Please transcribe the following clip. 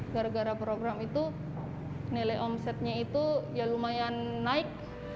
gara gara program itu nilai omsetnya itu ya lumayan naik